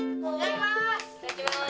いただきます。